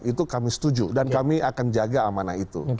itu kami setuju dan kami akan jaga amanah itu